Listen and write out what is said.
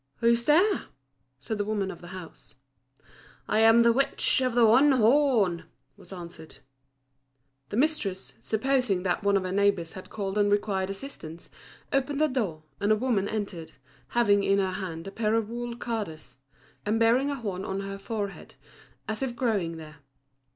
"Who is there?" said the woman of the house. "I am the Witch of the one Horn," was answered. The mistress, supposing that one of her neighbours had called and required assistance, opened the door, and a woman entered, having in her hand a pair of wool carders, and bearing a horn on her forehead, as if growing there.